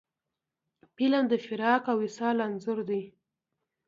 فلم د فراق او وصال انځور دی